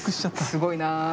すごいな。